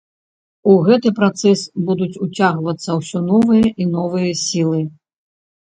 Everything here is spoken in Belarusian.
У гэты працэс будуць уцягваюцца ўсё новыя і новыя сілы.